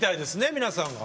皆さんが。